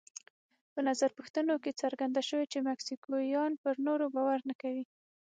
په نظر پوښتنو کې څرګنده شوې چې مکسیکویان پر نورو باور نه کوي.